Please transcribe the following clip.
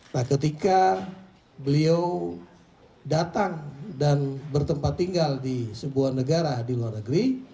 nah ketika beliau datang dan bertempat tinggal di sebuah negara di luar negeri